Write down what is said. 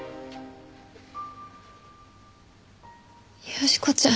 良子ちゃん。